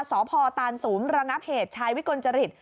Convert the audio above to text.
สพตานสูงระงับเหตุชายวิกลจริต